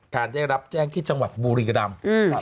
ได้รับแจ้งที่จังหวัดบุรีรำ